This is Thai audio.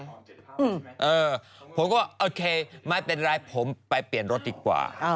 เออผมก็โอเคไม่เป็นไรผมไปเปลี่ยนรถดีกว่า